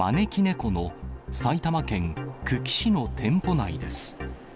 この埼玉県久喜市の店舗内です。